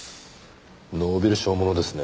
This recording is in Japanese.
ノーベル賞ものですね。